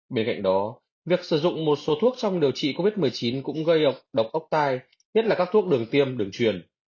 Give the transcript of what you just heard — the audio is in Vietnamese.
bên cạnh đó việc sử dụng một số thuốc trong điều trị covid một mươi chín cũng gây độc ốc tai nhất là các thuốc đường tiêm đường truyền